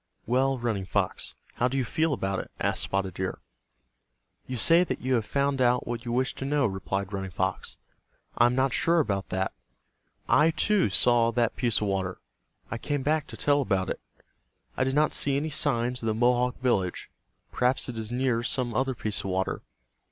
"Well, Running Fox, how do you feel about it?" asked Spotted Deer. "You say that you have found out what you wished to know," replied Running Fox. "I am not sure about that. I, too, saw that piece of water. I came back to tell about it. I did not see any signs of the Mohawk village. Perhaps it is near some other piece of water.